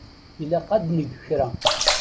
Ilaq ad neg kra.